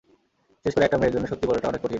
বিশেষকরে, একটা মেয়ের জন্য, সত্যি বলাটা অনেক কঠিন।